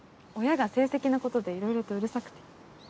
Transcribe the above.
親が成績のことでいろいろとうるさくて。